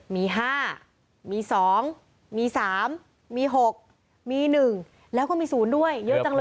มี๕มี๒มี๓มี๖มี๑แล้วก็มี๐ด้วยเยอะจังเลย